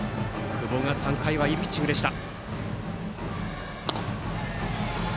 久保、３回はいいピッチングでした。